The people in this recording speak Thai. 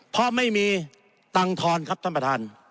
เพราะไม่มีตังค์ทอนครับท่านประธาน